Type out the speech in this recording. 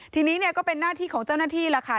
ทีนี้ก็เป็นหน้าที่ของเจ้าหน้าที่ล่ะค่ะ